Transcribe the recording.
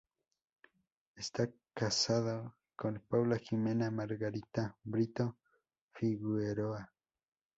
Está casado con Paula Ximena Margarita Brito Figueroa.